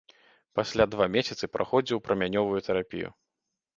Пасля два месяцы праходзіў прамянёвую тэрапію.